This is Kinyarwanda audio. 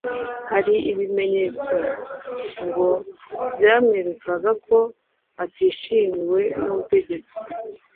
Hari ibimenyetso ngo byamwerekaga ko atishimiwe n'ubutegetsi